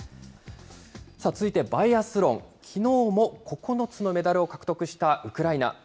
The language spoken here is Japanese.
続いてバイアスロン、きのうも９つのメダルを獲得したウクライナ。